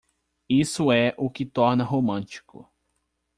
Isso é o que torna romântico.